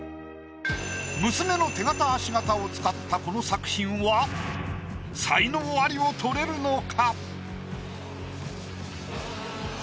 娘の手形足形を使ったこの作品は才能アリを取れるのか？